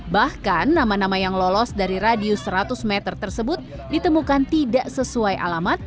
bahkan nama nama yang lolos dari radius seratus meter tersebut ditemukan tidak sesuai alamat